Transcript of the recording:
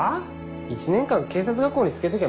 １年間警察学校に漬けときゃ